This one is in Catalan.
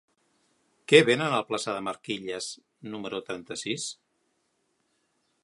Què venen a la plaça de Marquilles número trenta-sis?